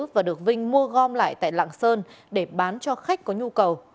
và được vinh mua gom lại tại lạng sơn để bán cho khách có nhu cầu